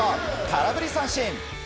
空振り三振。